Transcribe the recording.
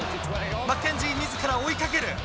マッケンジーみずから追いかける。